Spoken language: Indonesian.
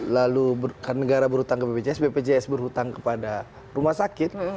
lalu kan negara berhutang ke bpjs bpjs berhutang kepada rumah sakit